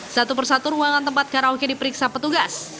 satu persatu ruangan tempat karaoke diperiksa petugas